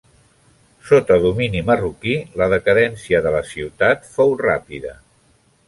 Sota domini marroquí la decadència de la ciutat fou ràpida.